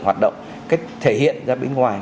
hoạt động cái thể hiện ra bên ngoài